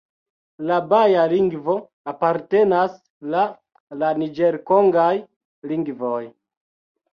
La baja lingvo apartenas la la niĝer-kongaj lingvoj.